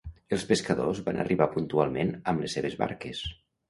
Els pescadors van arribar puntualment amb les seves barques